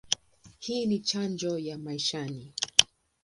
Hii ni chanjo ya maishani.